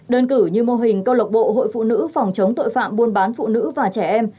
đơn cử như mô hình câu lộc bộ hội phụ nữ phòng chống tội phạm buôn bán phụ nữ và trẻ em